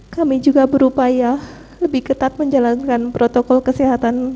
kami juga berupaya lebih ketat menjalankan protokol kesehatan